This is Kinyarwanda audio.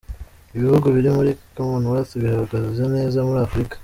Ibihugu biri muri Commonwealth bihagaze neza muri Afurika.